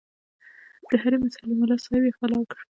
د هډې ملاصاحب یې فرار کړ.